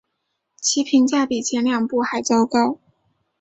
其评价比前两部还糟糕。